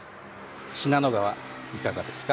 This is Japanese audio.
信濃川いかがですか？